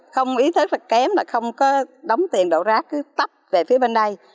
không ý thức là kém là không có đóng tiền đổ rác cứ tắp về phía bên đây